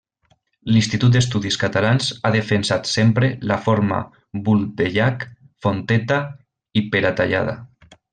L'Institut d'Estudis Catalans ha defensat sempre la forma Vulpellac, Fonteta i Peratallada.